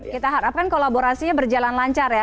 kita harapkan kolaborasinya berjalan lancar ya